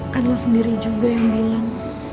kan lo sendiri juga yang bilang